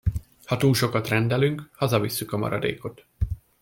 Ha túl sokat rendelünk, hazavisszük a maradékot.